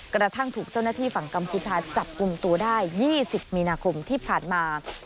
กระทั่งถูกเจ้าหน้าที่ฝั่งกัมพูชาจับกลุ่มตัวได้๒๐มีนาคมที่ผ่านมา